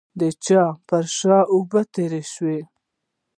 د چا پر شا به اوبه تېرې شي.